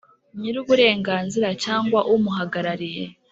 nyir uburenganzira cyangwa umuhagarariye